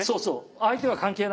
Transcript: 相手は関係ない。